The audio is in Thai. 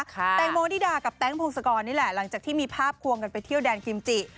แตงโมนิดากับแต๊งพงศกรนี่แหละหลังจากที่มีภาพควงกันไปเที่ยวแดนกิมจิ